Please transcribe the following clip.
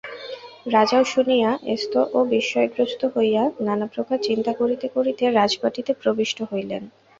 রাজাও শুনিয়া ত্রস্ত ও বিস্ময়গ্রস্ত হইয়া নানাপ্রকার চিন্তা করিতে করিতে রাজবাটীতে প্রবিষ্ট হইলেন।